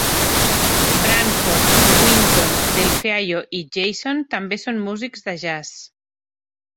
Branford, Wynton, Delfeayo, i Jason també són músics de jazz.